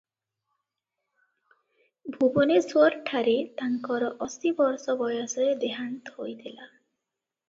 ଭୁବନେଶ୍ୱରଠାରେ ତାଙ୍କର ଅଶୀ ବର୍ଷ ବୟସରେ ଦେହାନ୍ତ ହୋଇଥିଲା ।